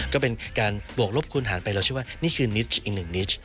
ก็เป็นการบวกลบคูณหารไปเราเชื่อว่านี่คือนิสอีกหนึ่งนิช